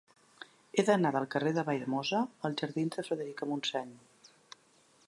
He d'anar del carrer de Valldemossa als jardins de Frederica Montseny.